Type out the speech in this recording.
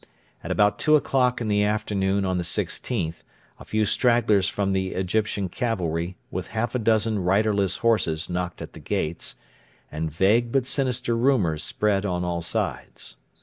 At about two o'clock in the afternoon of the 16th a few stragglers from the Egyptian cavalry with half a dozen riderless horses knocked at the gates, and vague but sinister rumours spread on all sides.